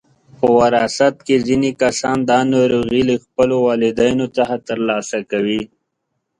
په وراثت کې ځینې کسان دا ناروغي له خپلو والدینو څخه ترلاسه کوي.